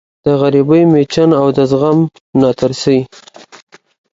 د غریبۍ مېچن او د زغم ناترسۍ